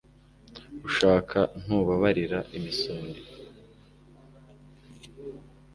ushaka ntababarira imisundi